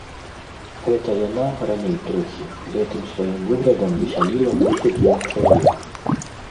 Гэта яна, раней трохі, гэтым сваім выглядам весяліла вочы двух чалавек.